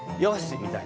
みたいな。